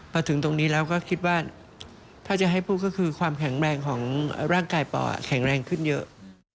พอถึงตรงนี้แล้วก็คิดว่าถ้าจะให้พูดก็คือความแข็งแรงของร่างกายปอแข็งแรงขึ้นเยอะ